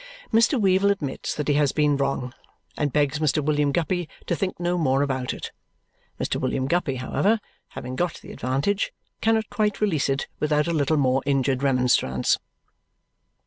Mr. Weevle admits that he has been wrong and begs Mr. William Guppy to think no more about it. Mr. William Guppy, however, having got the advantage, cannot quite release it without a little more injured remonstrance.